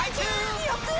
２億円！？